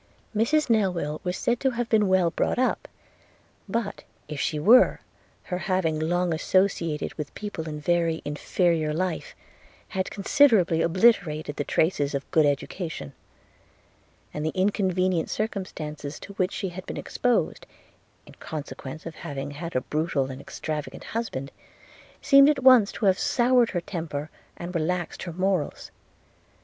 'Mrs Newill was said to have been well brought up; but, if she were, her having long associated with people in very inferior life had considerably obliterated the traces of a good education: and the inconvenient circumstances to which she had been exposed, in consequence of having had a brutal and extravagant husband, seemed at once to have soured her temper, and relaxed her morals.